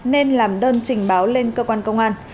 nên làm đơn trình báo lên cơ quan công an